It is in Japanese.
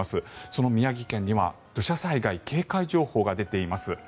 その宮城県には土砂災害警戒情報が出ています。